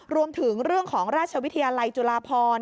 รวมถึงเรื่องของราชวิทยาลัยจุฬาพร